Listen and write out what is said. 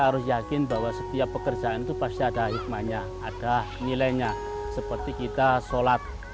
harus yakin bahwa setiap pekerjaan itu pasti ada hikmahnya ada nilainya seperti kita sholat